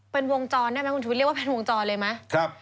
เป็นวงจรได้ไหมครับคุณธุรกิจเรียกว่าเป็นวงจรเลยไหมครับ